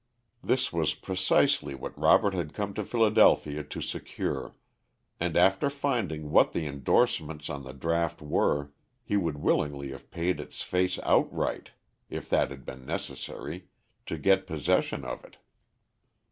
This was precisely what Robert had come to Philadelphia to secure, and after finding what the indorsements on the draft were, he would willingly have paid its face outright, if that had been necessary, to get possession of it.